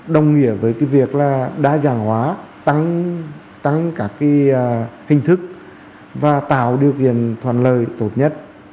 đồng nghĩa với cái việc là đa dạng hóa tăng các cái hình thức và tạo điều kiện toàn lời tốt nhất